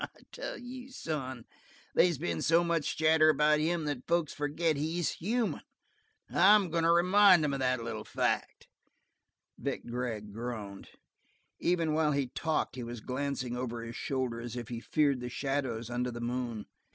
I tell you, son, they's been so much chatter about him that folks forget he's human. I'm goin' to remind 'em of that little fact." Vic Gregg groaned. Even while he talked he was glancing over his shoulder as if he feared the shadows under the moon.